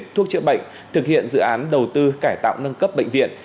thuốc chữa bệnh thực hiện dự án đầu tư cải tạo nâng cấp bệnh viện